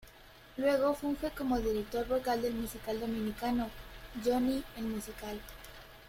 Luego funge como Director Vocal del musical dominicano: Johnny, el musical.